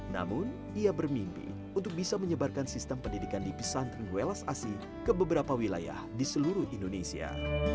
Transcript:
namun ia bermimpi untuk bisa menyebarkan sistem pendidikan di pesantren welas asi ke beberapa wilayah di seluruh indonesia